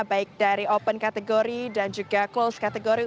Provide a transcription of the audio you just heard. baik dari open kategori dan juga close kategori